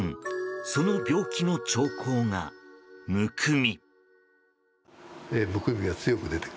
その病気の兆候がむくみ。